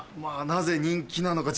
なぜ人気なのか